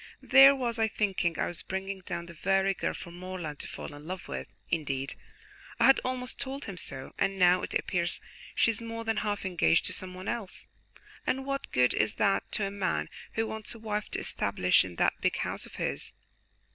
There was I thinking I was bringing down the very girl for Morland to fall in love with indeed, I had almost told him so and now it appears she is more than half engaged to someone else, and what good is that to a man who wants a wife to establish in that big house of his?"